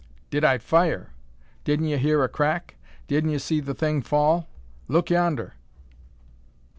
"Did I fire! Didn't ye hear a crack? Didn't ye see the thing fall? Look yonder!"